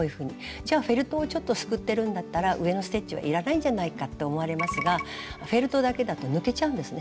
じゃあフェルトをちょっとすくってるんだったら上のステッチはいらないんじゃないかって思われますがフェルトだけだと抜けちゃうんですね